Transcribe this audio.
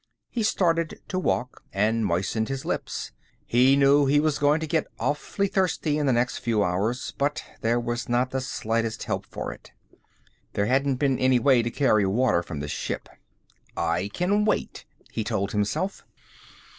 He started to walk, and moistened his lips. He knew he was going to get awfully thirsty in the next few hours, but there was not the slightest help for it. There hadn't been any way to carry water from the ship. "I can wait," he told himself.